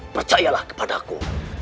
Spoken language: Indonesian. percayalah kepada aku